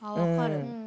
うん。